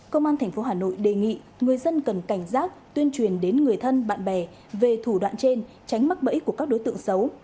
công an tp hà nội đề nghị người dân cần cảnh giác tuyên truyền đến người thân bạn bè về thủ đoạn trên tránh mắc bẫy của các đối tượng xấu